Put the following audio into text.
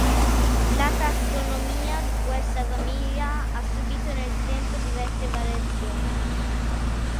La tassonomia di questa famiglia ha subito nel tempo diverse variazioni.